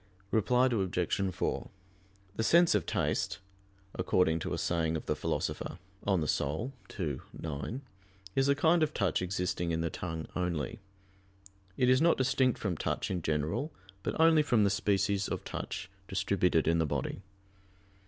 Reply Obj. 4: The sense of taste, according to a saying of the Philosopher (De Anima ii, 9), is a kind of touch existing in the tongue only. It is not distinct from touch in general, but only from the species of touch distributed in the body.